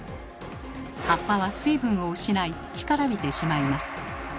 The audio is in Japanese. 葉っぱは水分を失い干からびてしまいます。